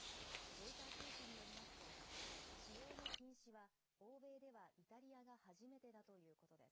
ロイター通信によりますと、使用の禁止は欧米ではイタリアが初めてだということです。